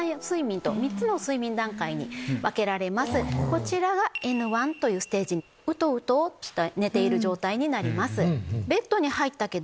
こちらがＮ１というステージうとうと寝ている状態になります。